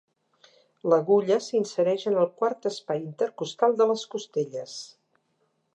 L'agulla s'insereix en el quart espai intercostal de les costelles.